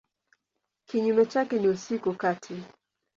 Kinyume chake ni usiku kati.